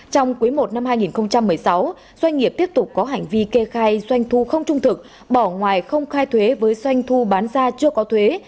trong quý i năm hai nghìn một mươi sáu doanh nghiệp tiếp tục có hành vi kê khai doanh thu không trung thực bỏ ngoài không khai thuế với doanh thu bán ra chưa có thuế